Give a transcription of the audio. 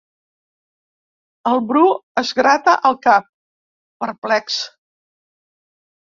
El Bru es grata el cap, perplex.